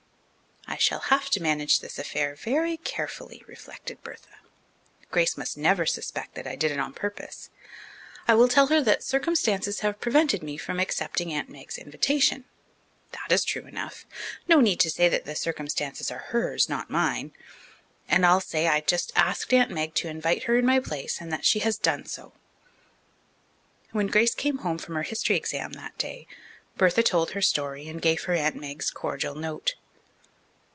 I shall have to manage this affair very carefully, reflected Bertha. Grace must never suspect that I did it on purpose. I will tell her that circumstances have prevented me from accepting Aunt Meg's invitation. That is true enough no need to say that the circumstances are hers, not mine. And I'll say I just asked Aunt Meg to invite her in my place and that she has done so. When Grace came home from her history examination that day, Bertha told her story and gave her Aunt Meg's cordial note.